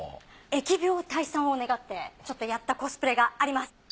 疫病退散を願ってちょっとやったコスプレがあります。